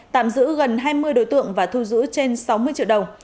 tạm giữ gần hai mươi đối tượng và thu giữ trên sáu mươi triệu đồng